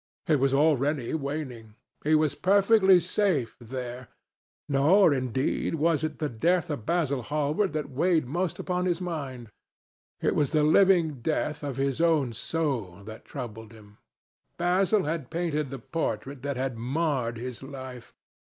It was already waning. He was perfectly safe there. Nor, indeed, was it the death of Basil Hallward that weighed most upon his mind. It was the living death of his own soul that troubled him. Basil had painted the portrait that had marred his life.